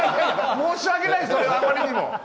申し訳ないですそれはあまりにも。